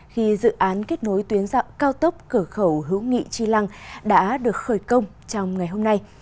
khi dự án kết nối tuyến dạng cao tốc cửa khẩu hữu nghị tri lăng đã được khởi công trong ngày hôm nay